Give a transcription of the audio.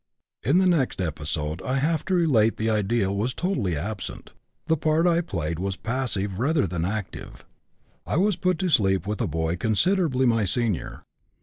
"In the next episode I have to relate the ideal was totally absent, and the part I played was passive rather than active. I was put to sleep with a boy considerably my senior.